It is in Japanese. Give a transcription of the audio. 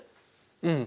うん。